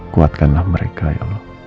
kuatkanlah mereka ya allah